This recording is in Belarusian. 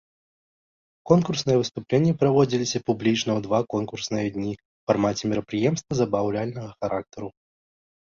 Конкурсныя выступленні праводзіліся публічна ў два конкурсныя дні ў фармаце мерапрыемства забаўляльнага характару.